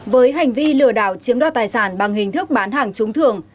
với hành vi lừa đảo chiếm đoạt tài sản bằng hình thức bán hàng trúng thường